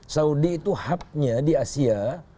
saudi itu hubnya di asia